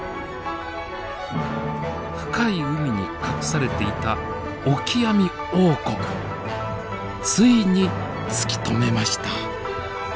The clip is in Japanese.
深い海に隠されていたオキアミ王国ついに突き止めました。